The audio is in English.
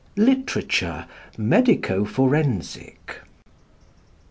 LITERATURE MEDICO FORENSIC.